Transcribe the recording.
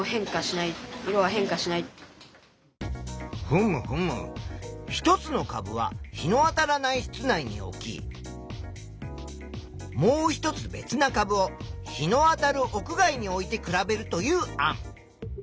ふむふむ１つの株は日のあたらない室内に置きもう一つ別な株を日のあたる屋外に置いて比べるという案。